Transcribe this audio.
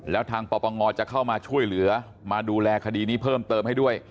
แล้วทางปปงจะเข้ามาช่วยเหลือมาดูแลคดีนี้เพิ่มเติมให้ด้วย